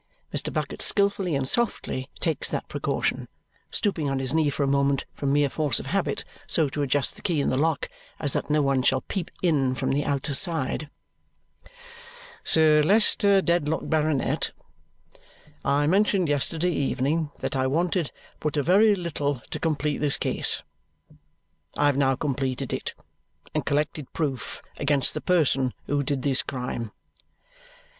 Mr. Bucket skilfully and softly takes that precaution, stooping on his knee for a moment from mere force of habit so to adjust the key in the lock as that no one shall peep in from the outerside. "Sir Leicester Dedlock, Baronet, I mentioned yesterday evening that I wanted but a very little to complete this case. I have now completed it and collected proof against the person who did this crime."